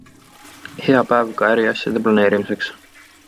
Hea päev ka äriasjade planeerimiseks.